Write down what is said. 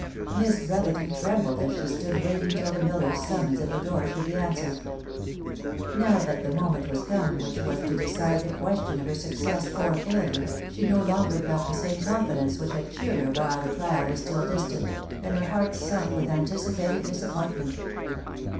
Miss Brotherton trembled as she stood waiting till the miller's summons at the door should be answered. Now that the moment was come which was to decide the question of her success or failure, she no longer felt the same confidence which had cheered her while the trial was still distant, and her heart sunk with anticipated disappoint ment.